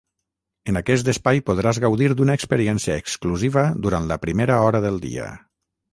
En aquest espai podràs gaudir d'una experiència exclusiva durant la primera hora del dia.